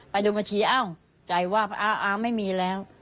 ไปดูบัญชีอ้าวใจว่าอ้าวไม่มีแล้ว